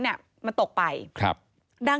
พบหน้าลูกแบบเป็นร่างไร้วิญญาณ